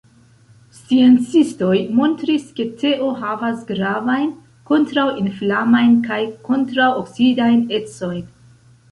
Sciencistoj montris, ke teo havas gravajn kontraŭinflamajn kaj kontraŭoksidajn ecojn.